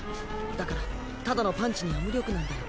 だからただのパンチには無力なんだよ。